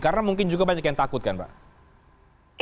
karena mungkin juga banyak yang takut kan pak